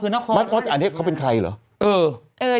หรือว่าอันนี้เขาเป็นใครเหรอ